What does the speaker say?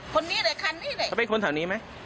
คนนี้หรือคันนี้แหละเขาเป็นคนแถวนี้ไหม